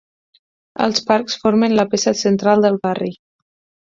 Els parcs formen la peça central del barri.